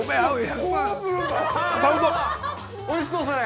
おいしそう、それ。